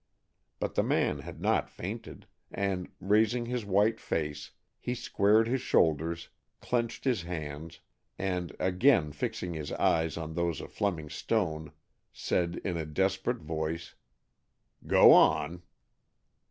But the man had not fainted, and, raising his white face, he squared his shoulders, clenched his hands, and, again fixing his eyes on those of Fleming Stone, said in a desperate voice, "Go on."